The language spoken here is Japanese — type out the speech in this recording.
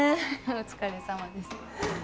お疲れさまです。